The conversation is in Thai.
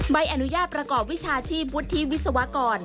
ใบอนุญาตประกอบวิชาชีพวุฒิวิศวกร